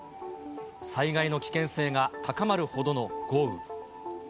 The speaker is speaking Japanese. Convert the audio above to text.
災害の危険性が高まるほどの豪雨。